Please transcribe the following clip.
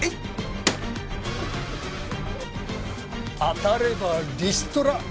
当たればリストラ。